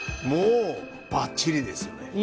もうバッチリですよね。